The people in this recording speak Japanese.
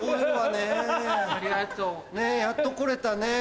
ねぇやっと来れたねぇ。